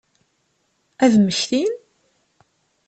Ad mmektin?